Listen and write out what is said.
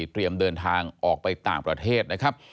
เดินทางออกไปต่างประเทศนะครับ